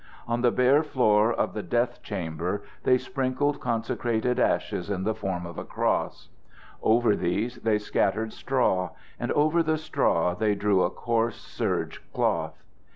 On the bare floor of the death chamber they sprinkled consecrated ashes in the form of a cross. Over these they scattered straw, and over the straw they drew a coarse serge cloth.